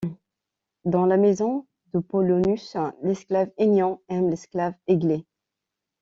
Dans la maison d'Apollonius, l'esclave Ennion aime l'esclave Eglè.